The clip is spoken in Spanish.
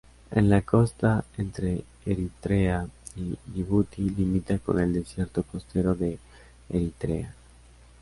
En la costa entre Eritrea y Yibuti limita con el desierto costero de Eritrea.